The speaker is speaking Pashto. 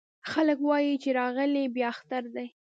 خلک وايې چې راغلی بيا اختر دی